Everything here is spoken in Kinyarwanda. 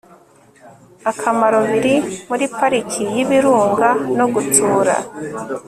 akamaro biri muri Pariki y ibirunga no gutsura